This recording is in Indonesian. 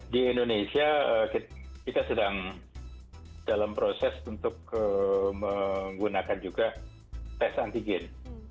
di indonesia kita sedang dalam proses untuk menggunakan juga tes antigen